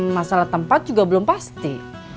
masalah tempat juga belum pasti